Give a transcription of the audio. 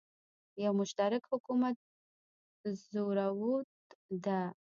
یو مشترک حکومت زوروت ده